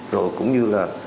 rồi cũng như là